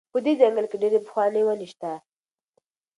په دې ځنګل کې ډېرې پخوانۍ ونې شته.